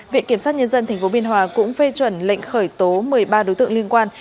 viện kiểm sát nhân dân tp biên hòa cũng phê chuẩn lệnh khởi tố một mươi ba đối tượng liên quan